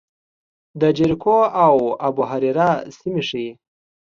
د جریکو او ابوهریره سیمې ښيي.